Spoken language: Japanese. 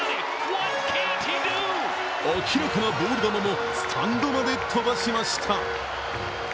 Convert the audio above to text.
明らかなボール球もスタンドまで飛ばしました。